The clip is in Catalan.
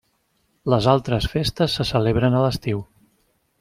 Les altres festes se celebren a l'estiu.